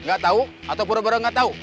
gak tau atau pura pura gak tau